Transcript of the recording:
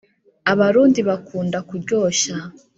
abarundi bakunda kuryoshya